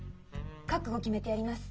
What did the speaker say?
覚悟決めてやります。